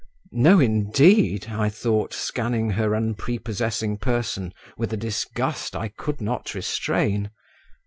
"No, indeed," I thought, scanning her unprepossessing person with a disgust I could not restrain.